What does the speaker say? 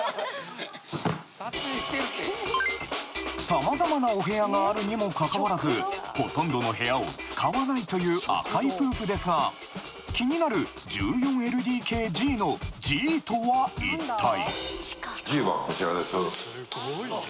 様々なお部屋があるにもかかわらずほとんどの部屋を使わないという赤井夫婦ですが気になる１４ＬＤＫＧのＧとは一体？